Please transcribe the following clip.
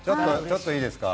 ちょっといいですか。